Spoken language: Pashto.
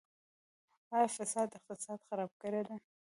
آیا فساد اقتصاد خراب کړی دی؟